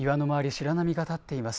白波が立っています。